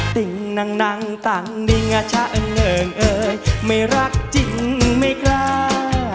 ติ่งนังต่างดิงงาชะเงิ่งเอ่ยไม่รักจริงไม่กล้า